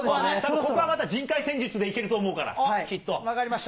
ここはまた人海戦術でいけると思分かりました。